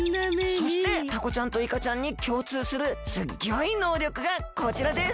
そしてタコちゃんとイカちゃんにきょうつうするすっギョいのうりょくがこちらです！